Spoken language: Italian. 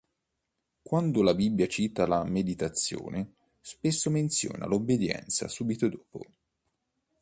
Quando la Bibbia cita la meditazione, spesso menziona l'obbedianza subito dopo.